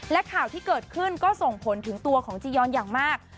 และข่าวที่เกิดขึ้นก็ส่งผลถึงตัวของจียอนอย่างมาก